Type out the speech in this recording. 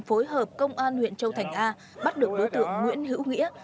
phối hợp công an huyện châu thành a bắt được đối tượng nguyễn hữu nghĩa